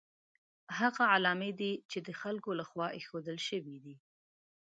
هغه علامې دي چې د خلکو له خوا ایښودل شوي دي.